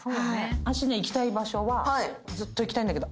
私ね行きたい場所はずっと行きたいんだけど。